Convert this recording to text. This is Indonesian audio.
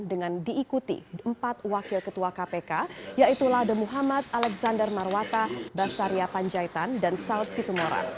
dengan diikuti empat wakil ketua kpk yaitulah the muhammad alexander marwata basaria panjaitan dan sal situmora